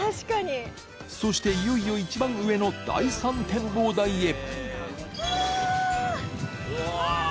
そしていよいよ一番上の第３展望台へうわぁ！